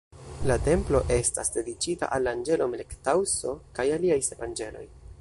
La templo estas dediĉita al la anĝelo Melek-Taŭso kaj aliaj sep anĝeloj.